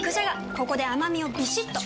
ここで甘みをビシッと！